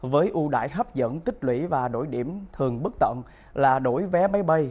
với ưu đại hấp dẫn tích lũy và đổi điểm thường bất tận là đổi vé máy bay